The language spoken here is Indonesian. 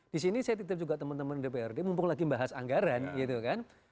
di sini saya titip juga teman teman dprd mumpung lagi membahas anggaran gitu kan